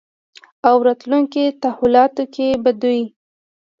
او راتلونکې تحولاتو کې به دوی